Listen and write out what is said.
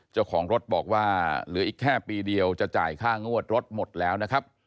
เจ้าของรถบอกว่าเหลืออีกแค่ปีเดียวจะจ่ายค่างวดรถหมดแล้วนะครับ